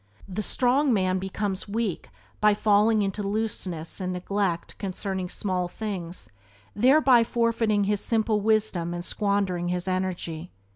The strong man becomes weak by falling into looseness and neglect concerning small things, thereby forfeiting his simple wisdom and squandering his energy.